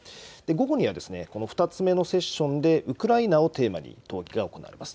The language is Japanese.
午後には２つ目のセッションでウクライナをテーマに討議が行われます。